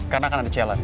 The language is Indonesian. karena akan ada challenge